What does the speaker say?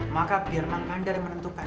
maka biar mangkandar yang menentukan